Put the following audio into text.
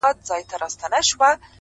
هره پوښتنه نوې دروازه پرانیزي,